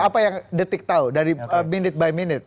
apa yang detik tahu dari minute by minute